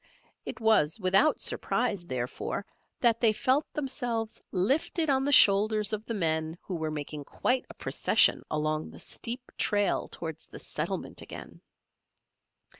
It was without surprise, therefore, that they felt themselves lifted on the shoulders of the men who were making quite a procession along the steep trail towards the settlement again.